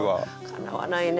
かなわないね。